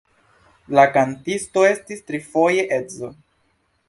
La kantisto estis trifoje edzo.